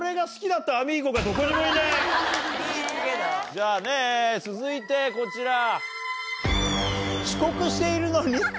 じゃあね続いてこちら。